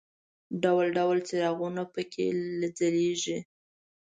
ډول ډول څراغونه په کې ځلېږي.